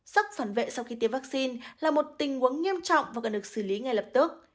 sốc phản vệ sau khi tiêm vaccine là một tình huống nghiêm trọng và cần được xử lý ngay lập tức